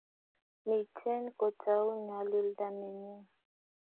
Miten kotau nyalilda nengung